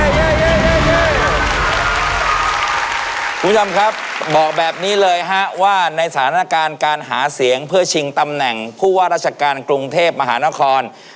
คุณผู้ชมครับบอกแบบนี้เลยฮะว่าในสถานการณ์การหาเสียงเพื่อชิงตำแหน่งผู้ว่าราชการกรุงเทพมหานคร